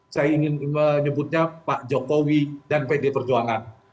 saya ingin menyebutnya pak jokowi dan pd perjuangan